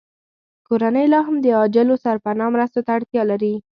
کورنۍ لاهم د عاجلو سرپناه مرستو ته اړتیا لري